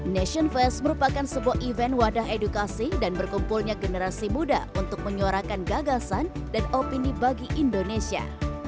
nation fest merupakan sebuah event wadah edukasi dan berkumpulnya generasi muda untuk menyuarakan gagasan dan opini bagi indonesia